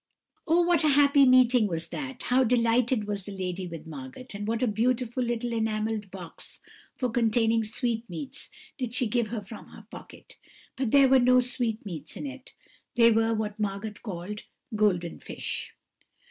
"Oh, what a happy meeting was that! How delighted was the lady with Margot, and what a beautiful little enamelled box for containing sweetmeats did she give her from her pocket! But there were no sweetmeats in it; there were what Margot called golden fish.